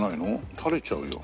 垂れちゃうよ。